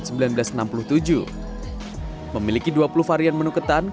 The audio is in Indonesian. memiliki dua puluh varian menu ketan kedai ini memiliki daya tarik tersendiri di mata wisatawan